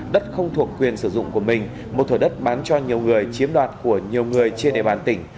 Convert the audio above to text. đất không thuộc quyền sử dụng của mình một thủ đất bán cho nhiều người chiếm đoạt của nhiều người trên đề bán tỉnh